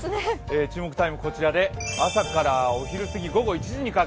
注目タイムは朝からお昼過ぎ、午後１時まで。